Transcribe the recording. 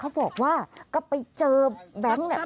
เขาบอกว่าก็ไปเจอแบงค์เนี่ย